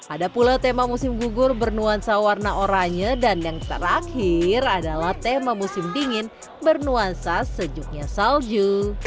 ada pula tema musim gugur bernuansa warna oranye dan yang terakhir adalah tema musim dingin bernuansa sejuknya salju